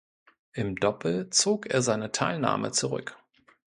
Im Doppel zog er seine Teilnahme zurück.